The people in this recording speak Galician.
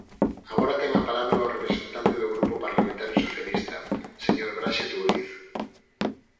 Agora ten a palabra o representante do Grupo Parlamentario Socialista, señor Braxe Touriz.